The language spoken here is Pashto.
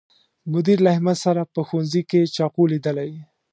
مدیر له احمد سره په ښوونځي کې چاقو لیدلی